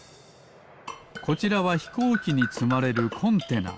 こちらはひこうきにつまれるコンテナ。